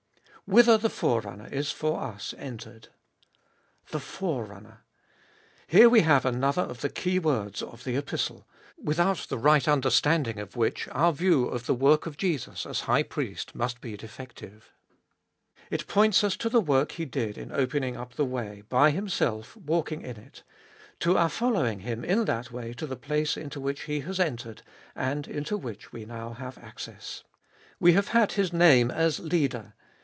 Whither the Forerunner is for us entered. The Fore runner. Here we have another of the keywords of the Epistle, without the right understanding of which our view of the work of Jesus as High Priest must be defective. It points us to the work He did in opening up the way, by Himself walking in it ; to our following Him in that way to the place into which He has entered, and into which we now have access. We have had His name as Leader.